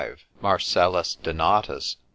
Marcellus Donatus, l.